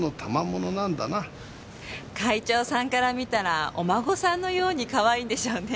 会長さんから見たらお孫さんのようにかわいいんでしょうね。